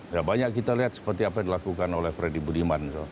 ya banyak kita lihat seperti apa yang dilakukan oleh freddy budiman itu